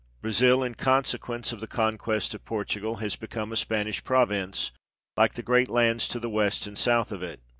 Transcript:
Brazil, in consequence of the conquest of Portugal, has become a Spanish province, like the great lands to the west and south of it.